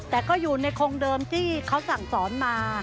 แต่ก็อยู่ในโครงเดิมที่เขาสั่งสอนมา